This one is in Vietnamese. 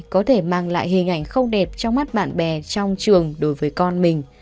có thể mang lại hình ảnh không đẹp trong mắt bạn bè trong trường đối với con mình